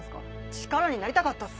力になりたかったっす。